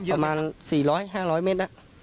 ประมาณ๔๐๐๕๐๐เมตร